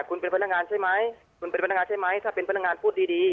คุณเป็นพนักงานใช่ไหมคุณเป็นพนักงานใช่ไหมถ้าเป็นพนักงานพูดดีดี